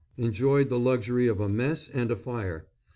Enjoyed the luxury of a "mess" and a fire.